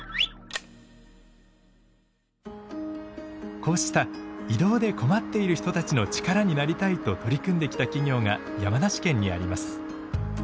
こうした移動で困っている人たちの力になりたいと取り組んできた企業が山梨県にあります。